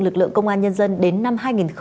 lực lượng công an nhân dân đến năm hai nghìn hai mươi